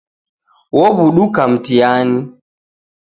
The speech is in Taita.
Wowuduka mtihani